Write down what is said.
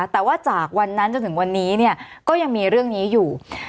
แต่ว่าจากวันนั้นจนถึงวันนี้ก็ยังมีเรื่องนี้อยู่